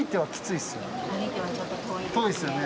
遠いですよね。